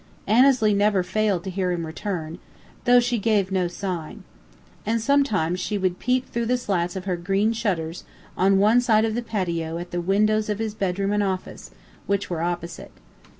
Annesley never failed to hear him return, though she gave no sign. And sometimes she would peep through the slats of her green shutters on one side of the patio at the windows of his bedroom and "office," which were opposite.